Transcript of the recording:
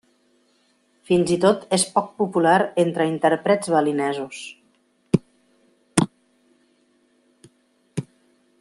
Fins i tot és poc popular entre intèrprets balinesos.